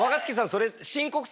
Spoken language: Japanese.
それ。